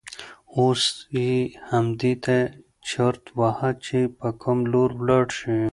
اوس یې همدې ته چرت واهه چې په کوم لور ولاړ شي.